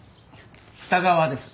二川です。